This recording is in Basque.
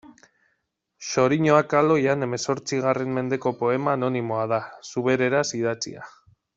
Xoriñoak kaloian hemezortzigarren mendeko poema anonimoa da, zubereraz idatzia.